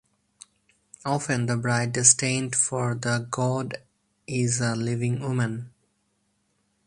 Often the bride destined for the god is a living woman.